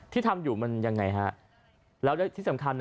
ทำอยู่มันยังไงฮะแล้วที่สำคัญนะ